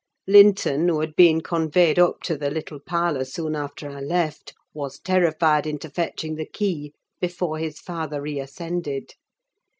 Linton who had been conveyed up to the little parlour soon after I left, was terrified into fetching the key before his father re ascended.